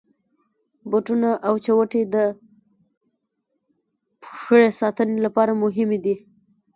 بوټونه او چوټي د پښې ساتني لپاره مهمي دي.